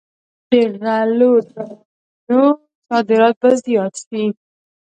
د غلو دانو صادرات باید زیات شي.